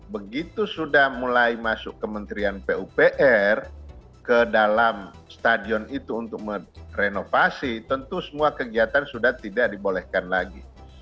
begitu sudah mulai masuk kementerian pupr ke dalam stadion itu untuk merenovasi tentu semua kegiatan sudah tidak dibolehkan lagi